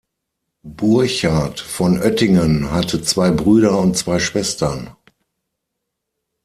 Burchard von Oettingen hatte zwei Brüder und zwei Schwestern.